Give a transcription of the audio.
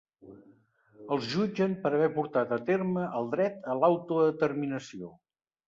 Els jutgen per haver portat a terme el dret a l’autodeterminació.